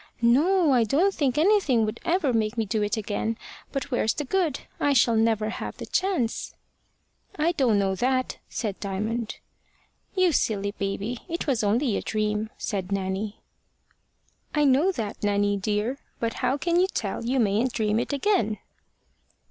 "No. I don't think anything would ever make me do it again. But where's the good? I shall never have the chance." "I don't know that," said Diamond. "You silly baby! It was only a dream," said Nanny. "I know that, Nanny, dear. But how can you tell you mayn't dream it again?"